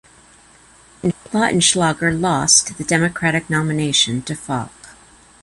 Lautenschlager lost the Democratic nomination to Falk.